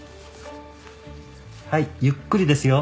はいゆっくりですよ。